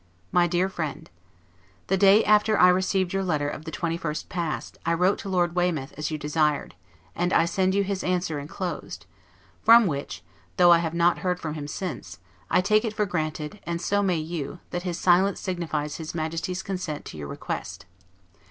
MY DEAR FRIEND: The day after I received your letter of the 21st past, I wrote to Lord Weymouth, as you desired; and I send you his answer inclosed, from which (though I have not heard from him since) I take it for granted, and so may you, that his silence signifies his Majesty's consent to your request.